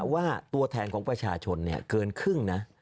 ว่าตัวแทนของประชาชนเกินครึ่งนะ